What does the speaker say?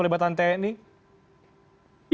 oke anda mendukung kalau kemudian ada perpresiden